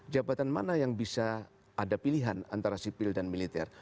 jabatan mana yang bisa ada pilihan antara sipil dan militer